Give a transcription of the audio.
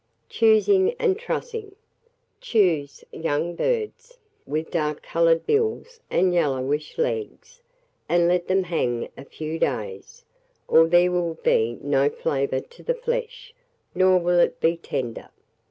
Choosing and Trussing. Choose young birds, with dark coloured bills and yellowish legs, and let them hang a few days, or there will be no flavour to the flesh, nor will it be tender.